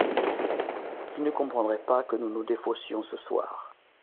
Ils ne comprendraient pas que nous nous défaussions ce soir.